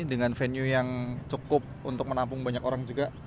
dengan venue yang cukup untuk menampung banyak orang juga